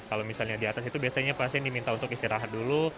kalau misalnya di atas itu biasanya pasien diminta untuk istirahat dulu